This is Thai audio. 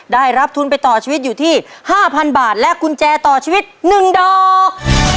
ได้รับทุนไปต่อชีวิตอยู่ที่๕๐๐บาทและกุญแจต่อชีวิต๑ดอก